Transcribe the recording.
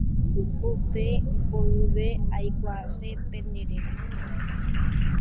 Upe mboyve aikuaase pende réra